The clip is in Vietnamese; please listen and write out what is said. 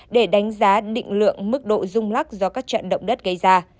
để đánh giá định lượng mức độ rung lắc do các trận động đất gây ra